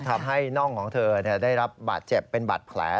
ทำให้น่องของเธอได้รับบาดเจ็บเป็นบาดแผล